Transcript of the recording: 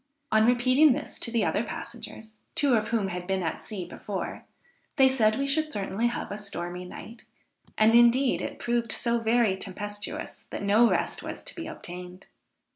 On repeating this to the other passengers, two of whom had been at sea before, they said we should certainly have a stormy night, and indeed it proved so very tempestuous that no rest was to be obtained.